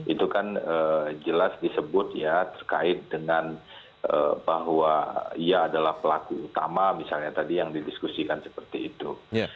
itu kan jelas disebut ya terkait dengan bahwa ia adalah pelaku utama misalnya tadi yang didiskusikan seperti itu